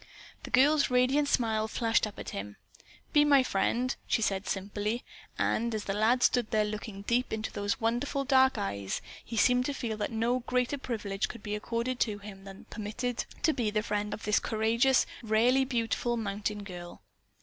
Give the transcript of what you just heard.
The girl's radiant smile flashed up at him. "Be my friend," she said simply, and, as the lad stood there looking deep into those wonderful dark eyes, he seemed to feel that no greater privilege could be accorded him than to be permitted to be the friend of this courageous, rarely beautiful mountain girl.